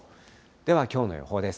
ではきょうの予報です。